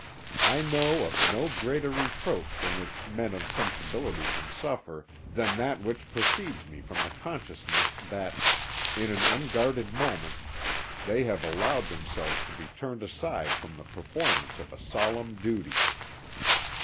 I know of no greater reproach from which men of sensibility can suffer than that which proceeds from the consciousness that, in an unguarded moment, they have allowed themselves to be turned aside from the performance of a solemn duty.